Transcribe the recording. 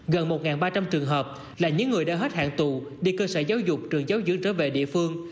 gần một ba trăm linh trường hợp là những người đã hết hạn tù đi cơ sở giáo dục trường giáo dưỡng trở về địa phương